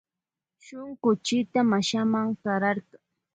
Shunkullita mashama kararka.